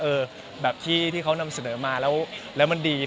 แบบที่เขานำเสนอมาแล้วมันดี